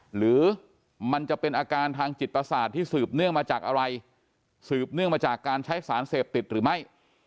หรือมันจะเป็นอาการทางจิตประสาทที่สืบเนื่องมาจากอะไรสืบเนื่องมาจากการใช้สารเสพติดหรือไม่